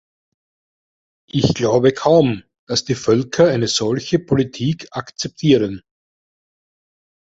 Ich glaube kaum, dass die Völker eine solche Politik akzeptieren.